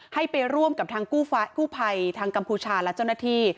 ให้ไปร่วมกับทางกู้ภัยทางกัมพูชาและเจ้าหน้าที่